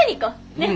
ねっ。